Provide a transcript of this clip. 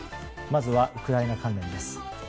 まずはウクライナ関連です。